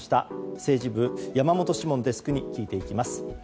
政治部、山本志門デスクに聞いていきます。